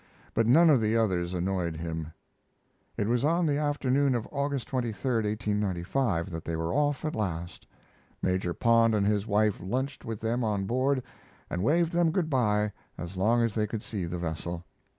But none of the others annoyed him. It was on the afternoon of August 23, 1895, that they were off at last. Major Pond and his wife lunched with them on board and waved them good by as long as they could see the vessel.